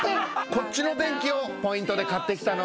こっちの電気をポイントで買ってきたのねん。